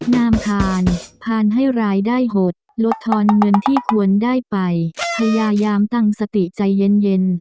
นามทานผ่านให้รายได้หดลดทอนเงินที่ควรได้ไปพยายามตั้งสติใจเย็น